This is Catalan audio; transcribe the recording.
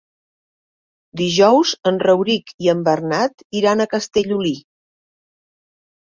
Dijous en Rauric i en Bernat iran a Castellolí.